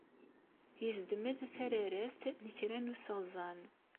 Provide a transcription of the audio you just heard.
Yezdem-d tararast n kra n useɣẓan.